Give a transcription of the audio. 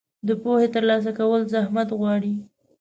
د پوهې ترلاسه کول زحمت غواړي.